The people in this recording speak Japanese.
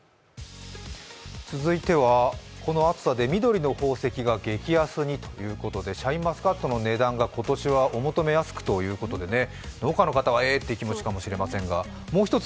続いては、この暑さで緑の宝石が激安にということでシャインマスカットの値段が今年はお求めやすくということでね、農家の方は、えーっという気持ちかもしれませんがもう１つ